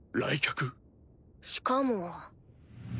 しかも。